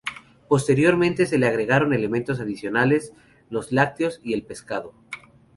Posteriormente se le agregaron elementos adicionales, los lácteos y el pescado.